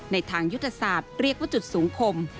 ในทางยุทธศาสตร์เรียกว่าจุดสูงคม